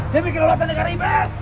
dia bikin lewatannya karena ibes